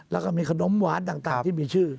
แล้วก็มีขนมหวานต่างที่มีชื่อ